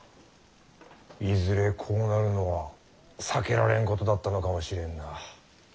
いずれこうなるのは避けられんことだったのかもしれんな。